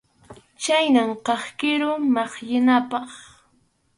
Chayman kaq kiru maqllinapaq.